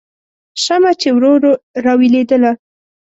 شمعه چې ورو ورو راویلېدله